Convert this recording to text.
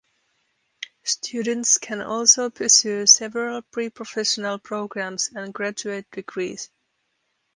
Students can also pursue several pre-professional programs and graduate degrees.